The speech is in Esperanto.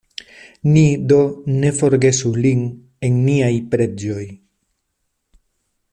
Ni do ne forgesu lin en niaj preĝoj.